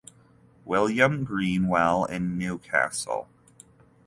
William Greenwell in Newcastle.